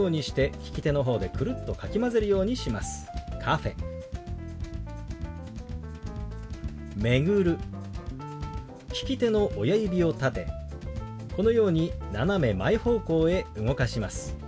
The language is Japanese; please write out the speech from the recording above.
利き手の親指を立てこのように斜め前方向へ動かします。